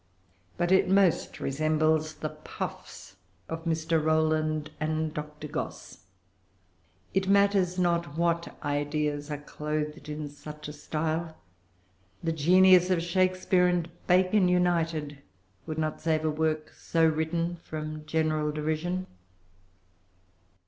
But it most resembles the puffs of Mr. Rowland and Dr. Goss. It matters not what ideas are clothed in such a style. The genius of Shakespeare and Bacon united would not save a work so written from general derision.